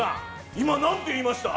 今なんて言いました？